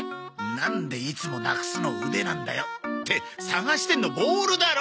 なんでいつもなくすの腕なんだよって探してんのボールだろ！？